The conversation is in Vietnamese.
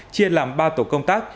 chia làm ba tổ công tác